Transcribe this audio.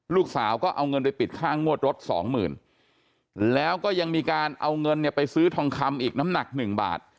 ลูกสาวก็เอาเงินไปปิดค่างวดรถสองหมื่นแล้วก็ยังมีการเอาเงินเนี่ยไปซื้อทองคำอีกน้ำหนักหนึ่งบาท